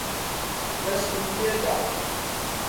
دەستم لێ دا.